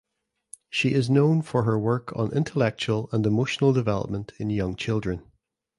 She is known for her work on intellectual and emotional development in young children.